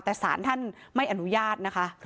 แต่สารท่านไม่อนุญาต